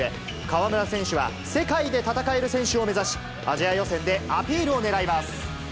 河村選手は、世界で戦える選手を目指し、アジア予選でアピールをねらいます。